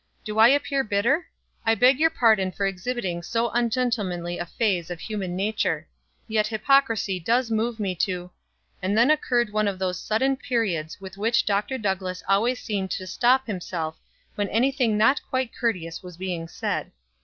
"Do I appear bitter? I beg your pardon for exhibiting so ungentlemanly a phase of human nature; yet hypocrisy does move me to " And then occurred one of those sudden periods with which Dr. Douglass always seemed to stop himself when any thing not quite courteous was being said.